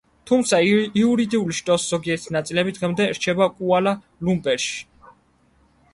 თუმცა, იურიდიული შტოს ზოგიერთი ნაწილები დღემდე რჩება კუალა-ლუმპურში.